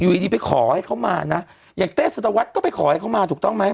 อยู่ดีไปขอให้เขามานะอย่างเต้สัตวรรษก็ไปขอให้เขามาถูกต้องไหม